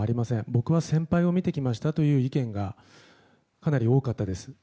僕は先輩を見てきましたという意見がかなり多かったです。